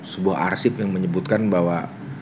sebuah arsip yang menyebutkan bahwa